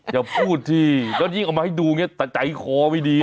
อย่าพูดที่แล้วยิ่งเอามาให้ดูอย่างนี้แต่ใจคอไม่ดี